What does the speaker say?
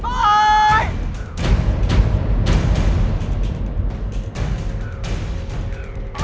ไอ้สวย